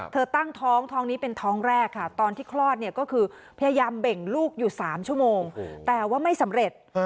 ตั้งท้องท้องนี้เป็นท้องแรกค่ะตอนที่คลอดเนี่ยก็คือพยายามเบ่งลูกอยู่๓ชั่วโมงแต่ว่าไม่สำเร็จ